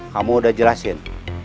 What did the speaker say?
kamu udah jelasin